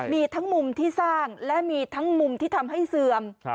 มีทั้งมุมที่สร้างและมีทั้งมุมที่ทำให้เสื่อม